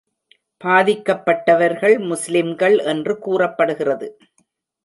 பாதிக்கப்பட்டவர்கள் முஸ்லிம்கள் என்று கூறப்படுகிறது.